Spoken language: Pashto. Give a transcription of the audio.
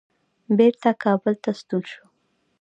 بیرته کابل ته ستون شو.